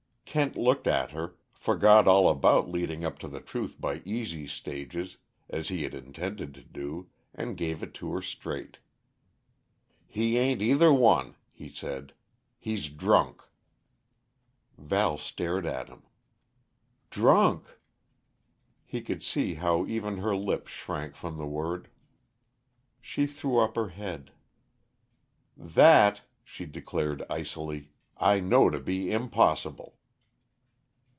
Kent looked at her, forgot all about leading up to the truth by easy stages, as he had intended to do, and gave it to her straight. "He ain't either one," he said. "He's drunk!" Val stared at him. "Drunk!" He could see how even her lips shrank from the word. She threw up her head. "That," she declared icily, "I know to be impossible!"